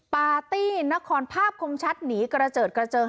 ปาร์ตี้นครภาพคมชัดหนีกระเจิดกระเจิง